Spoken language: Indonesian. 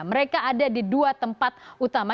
mereka ada di dua tempat utama